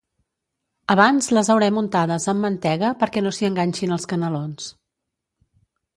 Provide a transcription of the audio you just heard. Abans les haurem untades amb mantega perquè no s’hi enganxin els canelons.